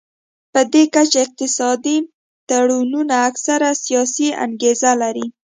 پدې کچه اقتصادي تړونونه اکثره سیاسي انګیزه لري